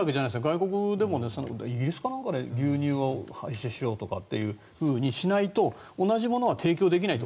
外国でもイギリスなんかで牛乳を廃止しようってしないと同じものを提供できないと。